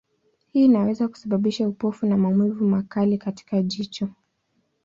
Hii inaweza kusababisha upofu na maumivu makali katika jicho.